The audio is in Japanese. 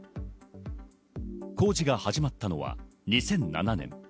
工事が始まったのは２００７年。